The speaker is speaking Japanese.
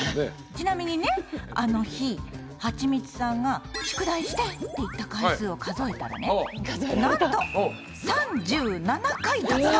ちなみにねあの日はちみつさんが「宿題して！」って言った回数を数えたらねなんと３７回だったのよ。